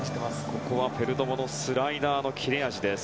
ここはペルドモのスライダーの切れ味です。